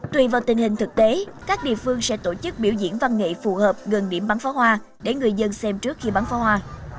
tùy vào tình hình thực tế các địa phương sẽ tổ chức biểu diễn văn nghệ phù hợp gần điểm bắn pháo hoa để người dân xem trước khi bắn pháo hoa